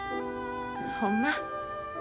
ほんま？